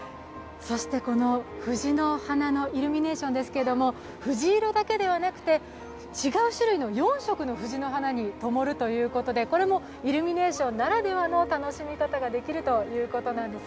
この藤の花のイルミネーションですが、藤色だけではなくて違う種類の４色の藤の花にともるということで、これもイルミネーションならではの楽しみ方ができるということです。